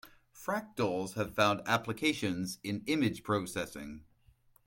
Fractals have found applications in image processing.